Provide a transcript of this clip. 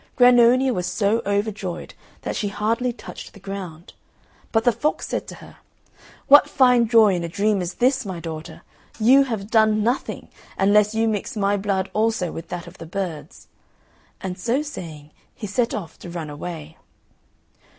Grannonia was so overjoyed that she hardly touched the ground; but the fox said to her, "What fine joy in a dream is this, my daughter! You have done nothing, unless you mix my blood also with that of the birds"; and so saying he set off to run away.